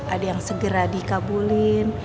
ada yang segera dikabulin